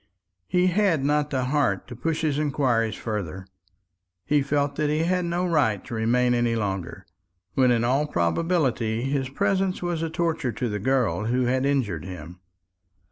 He had not the heart to push his inquiries farther. He felt that he had no right to remain any longer, when in all probability his presence was a torture to the girl who had injured him.